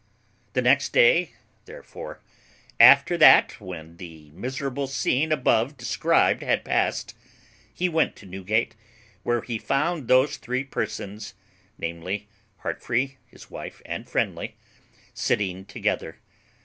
The next day therefore after that when the miserable scene above described had passed, he went to Newgate, where he found those three persons, namely, Heartfree, his wife, and Friendly, sitting together.